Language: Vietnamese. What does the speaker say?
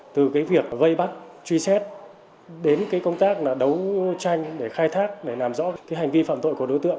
từ việc vây bắt truy xét đến công tác đấu tranh để khai thác để làm rõ hành vi phạm tội của đối tượng